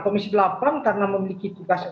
komisi delapan karena memiliki tugas